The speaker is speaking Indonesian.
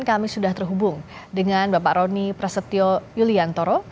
kami sudah terhubung dengan bapak roni prasetyo yuliantoro